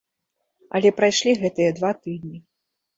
Але прайшлі гэтыя два тыдні.